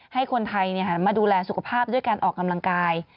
ให้คนไทยมาดูแลสุขภาพด้วยการออกกำลังกาย